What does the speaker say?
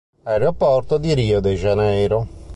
Aeroporto di Rio de Janeiro